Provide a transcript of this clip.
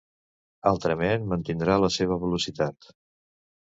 Altrament, mantindrà la seva velocitat.